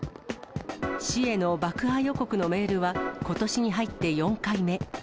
市への爆破予告のメールは、ことしに入って４回目。